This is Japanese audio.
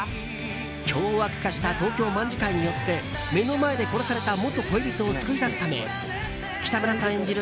凶悪化した東京卍會によって目の前で殺された元恋人を救い出すため北村さん演じる